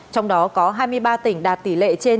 trong đó có hai mươi ba tỉnh đạt tỷ lệ trên chín mươi năm